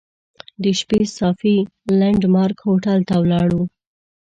د شپې صافي لینډ مارک هوټل ته ولاړو.